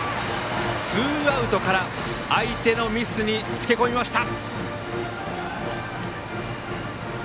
ツーアウトから相手のミスにつけ込みました。